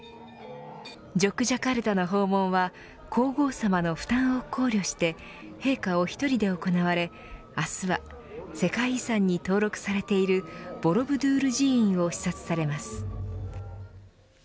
ジョクジャカルタの訪問は皇后さまの負担を考慮して陛下お一人で行われ明日は世界遺産に登録されているボロブドゥール寺院を視察されます。